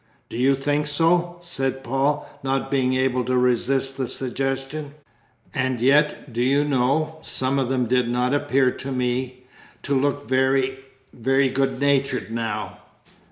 "Do you think so?" said Paul, not being able to resist the suggestion. "And yet, do you know, some of them did not appear to me to look very very good natured, now."